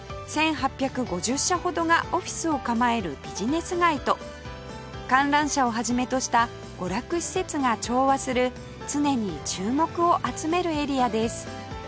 １８５０社ほどがオフィスを構えるビジネス街と観覧車を始めとした娯楽施設が調和する常に注目を集めるエリアです